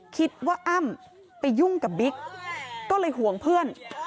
อ้ำไปยุ่งกับบิ๊กก็เลยห่วงเพื่อน